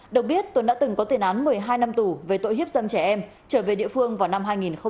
được biết tuấn đã từng có tiền án một mươi hai năm tù về tội hiếp dâm trẻ em trở về địa phương vào năm hai nghìn một mươi năm